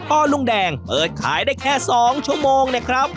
อลุงแดงเปิดขายได้แค่๒ชั่วโมงนะครับ